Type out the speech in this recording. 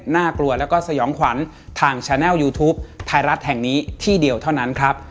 น่ากลัวแล้วก็สยองขวัญทางแชนัลยูทูปไทยรัฐแห่งนี้ที่เดียวเท่านั้นครับ